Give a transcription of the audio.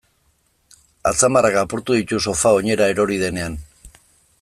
Atzamarrak apurtu ditu sofa oinera erori denean.